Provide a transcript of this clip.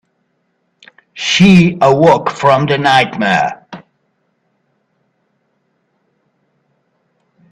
She awoke from the nightmare.